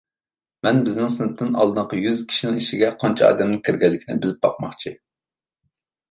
مەن بىزنىڭ سىنىپتىن ئالدىنقى يۈز كىشىنىڭ ئىچىگە قانچە ئادەمنىڭ كىرگەنلىكىنى بىلىپ باقماقچى.